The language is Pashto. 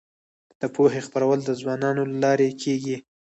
د پوهې خپرول د ځوانانو له لارې کيږي.